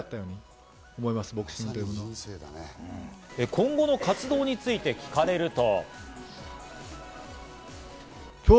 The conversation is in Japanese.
今後の活動について聞かれると。